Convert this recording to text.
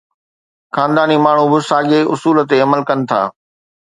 خانداني ماڻهو به ساڳئي اصول تي عمل ڪن ٿا.